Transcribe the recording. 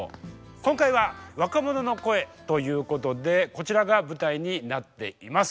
今回は若者の声ということでこちらが舞台になっています。